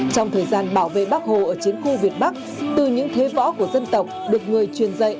trong thời gian bảo vệ bác hồ ở chiến khu việt bắc từ những thế võ của dân tộc được người truyền dạy